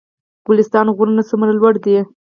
ګلستان غرونه څومره لوړ دي؟